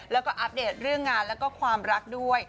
แล้วก็อัปเดตเรื่องงานแล้วก็ความรักด้วย